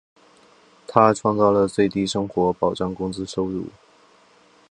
他创造了最低生活保障工资收入。